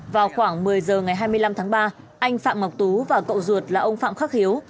vào khoảng một mươi giờ ngày hai mươi năm tháng ba anh phạm ngọc tú và cậu ruột là ông phạm khắc hiếu